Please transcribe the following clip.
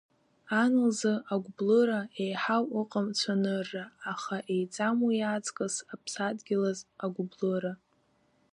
Ан лзы агәблыра, еиҳау ыҟам цәанырра, аха еиҵам уи аҵкыс, аԥсадгьылаз агәыблыра.